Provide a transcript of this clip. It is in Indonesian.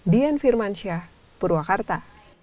dian firmansyah purwakarta